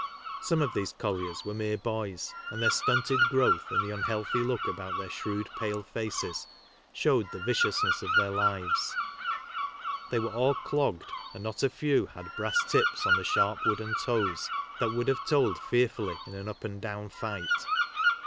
Some of these colliers were mere boys, and their stunted growth and the unhealthy look about their shrewd, pale faces, showed the viciousness of their lives. They were all clogged, and not a few had brass tips on the sharp wooden toes that would have told fearfully in an up and down fight.